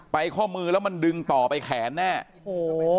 ข้อมือแล้วมันดึงต่อไปแขนแน่โอ้โห